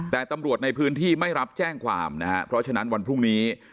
แต่ตำรวจในพื้นที่ไม่รับแจ้งความนะฮะเพราะฉะนั้นวันพรุ่งนี้